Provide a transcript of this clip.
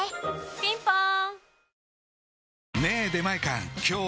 ピンポーン